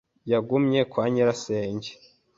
Yagumye kwa nyirasenge.